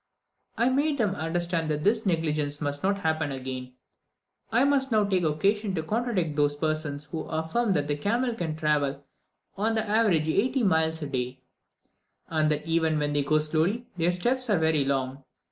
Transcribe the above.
I made them understand that this negligence must not happen again. I must now take occasion to contradict those persons who affirm that the camel can travel on the average eighty miles daily, and that even when they go slowly, their steps are very long.